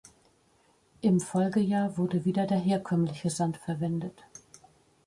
Im Folgejahr wurde wieder der herkömmliche Sand verwendet.